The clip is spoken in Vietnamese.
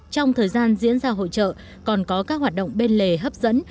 trong thời gian diễn ra hội trợ còn có các hoạt động bên lề hấp dẫn